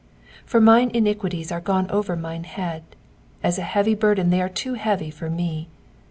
4 For mine iniquities are gone over mine head : as an heavy burden they are too heavy for me.